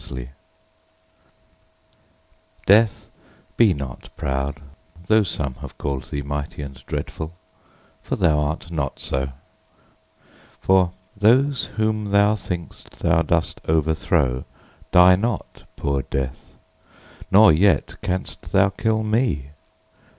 Death DEATH, be not proud, though some have callèd thee Mighty and dreadful, for thou art not so: For those whom thou think'st thou dost overthrow Die not, poor Death; nor yet canst thou kill me.